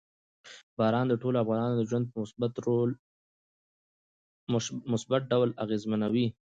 باران د ټولو افغانانو ژوند په مثبت ډول اغېزمنوي.